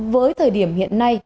với thời điểm hiện nay